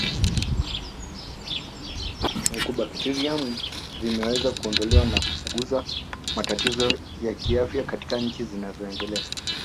Mycobacterium vimeweza kuondolewa na kupuguza matatizo ya kiafya katika nchi zinazoendelea